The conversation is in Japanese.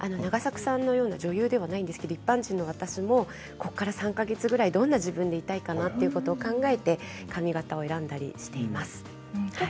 女優ではないんですが一般人の私もこれから３か月ぐらいどんな自分になりたいかなということを考えて髪形を選んだりしています。